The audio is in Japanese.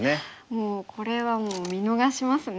もうこれは見逃しますね。